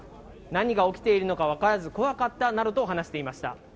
何が起きているのか分からず怖かったなどと話していました。